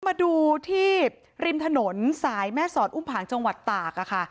มาดูที่ริมถนนสายแม่สอดอุ้มผางจังหวัดตากค่ะ